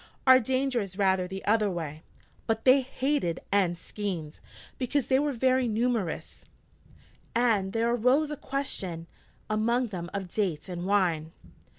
(Our danger is rather the other way.) But they hated and schemed, because they were very numerous, and there arose a question among them of dates and wine.'